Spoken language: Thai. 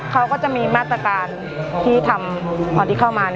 เขาก็จะมีมาตรการที่ทำตอนที่เข้ามา